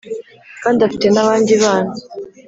kandi afite n’abandi bana